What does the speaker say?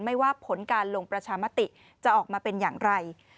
ไม่ว่าผลการลงประชามติจะออกมาเป็นอย่างไร